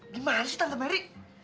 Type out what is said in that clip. gimana sih tante mary